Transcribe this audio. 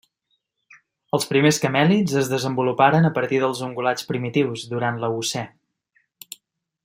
Els primers camèlids es desenvoluparen a partir dels ungulats primitius durant l'Eocè.